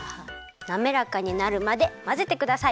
なめらかになるまでまぜてください。